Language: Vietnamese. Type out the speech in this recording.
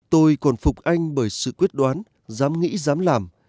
tôi còn phục anh bởi sự quyết đoán dám nghĩ dám làm